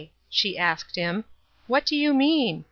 " she asked him ;" what do you mean?